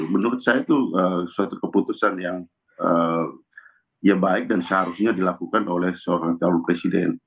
menurut saya itu suatu keputusan yang ya baik dan seharusnya dilakukan oleh seorang calon presiden